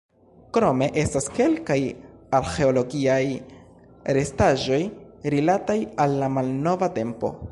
Krome estas kelkaj arĥeologiaj restaĵoj, rilataj al la malnova tempo.